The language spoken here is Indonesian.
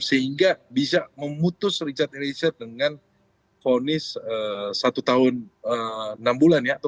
sehingga bisa memutus richard eliezer dengan vonis satu tahun enam bulan